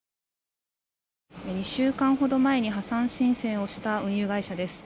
２週間ほど前に破産申請をした運輸会社です。